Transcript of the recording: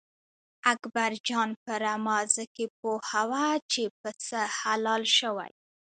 اکبر جان په رمازه کې پوهوه چې پسه حلال شوی.